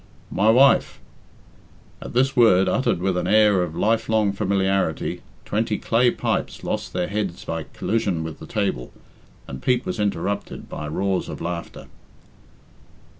"My wife " At this word, uttered with an air of life long familiarity, twenty clay pipes lost their heads by collision with the table, and Pete was interrupted by roars of laughter.